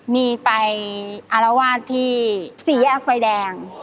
มีไปอารวาสที่สี่แยกไฟแดง